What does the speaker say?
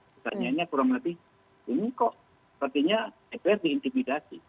pertanyaannya kurang lebih ini kok sepertinya dpr diintimidasi